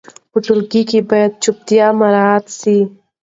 په ټولګي کې باید چوپتیا مراعت سي.